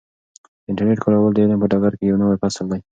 د انټرنیټ کارول د علم په ډګر کې یو نوی فصل دی.